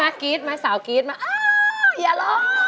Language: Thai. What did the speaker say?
สาวกี๊ดมาสาวกี๊ดมาอย่าล้อ